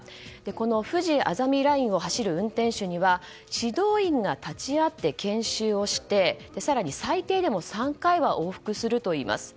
このふじあざみラインを走る運転手には指導員が立ち会って研修をして、更に最低でも３回は往復するといいます。